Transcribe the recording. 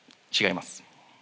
違います。